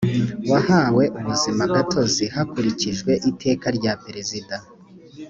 wahawe ubuzima gatozi hakurikijwe iteka rya operezida